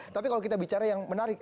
tapi kalau kita bicara yang menarik